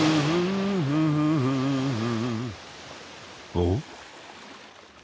おっ？